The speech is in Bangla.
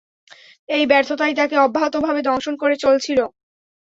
এই ব্যর্থতাই তাকে অব্যাহতভাবে দংশন করে চলছিল।